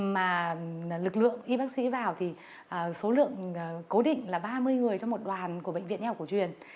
mà lực lượng y bác sĩ vào thì số lượng cố định là ba mươi người trong một đoàn